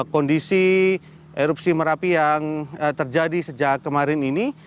kondisi erupsi merapi yang terjadi sejak kemarin ini